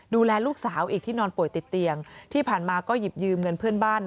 ดูแลลูกสาวอีกที่นอนป่วยติดเตียงที่ผ่านมาก็หยิบยืมเงินเพื่อนบ้าน